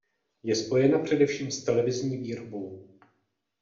Je spojena především s televizní výrobou.